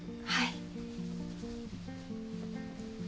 はい。